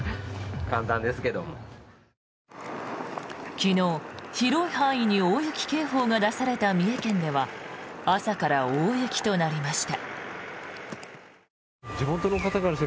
昨日、広い範囲に大雪警報が出された三重県では朝から大雪となりました。